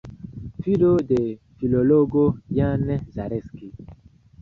Filo de filologo Jan Zaleski.